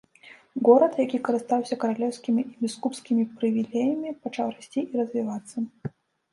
Горад, які карыстаўся каралеўскімі і біскупскімі прывілеямі, пачаў расці і развівацца.